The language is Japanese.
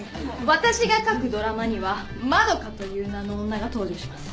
私が書くドラマには「まどか」という名の女が登場します。